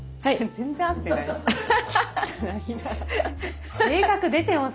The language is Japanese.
全然合ってないし。